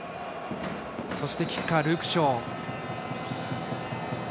そしてキッカーはルーク・ショー。